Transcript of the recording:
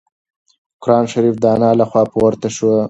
قرانشریف د انا له خوا پورته شو.